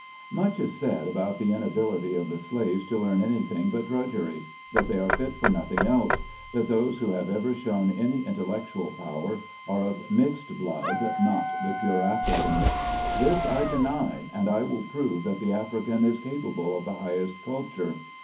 UCH is said about the inability of the slaves to learn anything but drudgery ; that they are fit for nothing else ; that those who have ever shown any intellectual power are of mixed blood, not the pure African. This I deny, and I will prove that the African is capable of the highest culture.